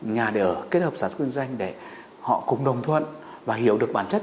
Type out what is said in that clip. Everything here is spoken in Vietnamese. nhà để ở kết hợp sản xuất kinh doanh để họ cùng đồng thuận và hiểu được bản chất